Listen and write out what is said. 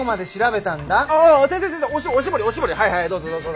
はいどうぞどうぞ。